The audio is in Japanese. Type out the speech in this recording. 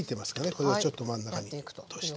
これをちょっと真ん中に落として。